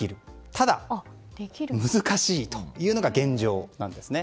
ただ、難しいというのが現状なんですね。